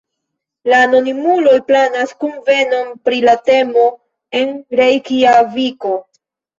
La anonimuloj planas kunvenon pri la temo en Rejkjaviko.